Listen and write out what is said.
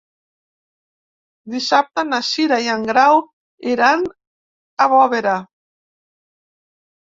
Dissabte na Cira i en Grau iran a Bovera.